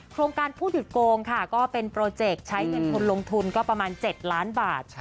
โครงการผู้หยุดโกงค่ะก็เป็นโปรเจกต์ใช้เงินทุนลงทุนก็ประมาณ๗ล้านบาท